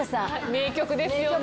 名曲ですね！